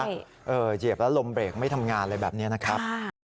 เหยียบแล้วลมเบรกไม่ทำงานอะไรแบบนี้นะครับ